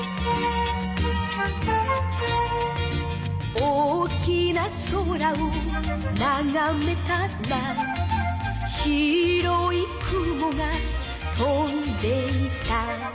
「大きな空をながめたら」「白い雲が飛んでいた」